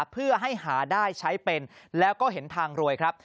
เพื่อให้หาได้ใช้เป็นแล้วก็เห็นทางรวยครับ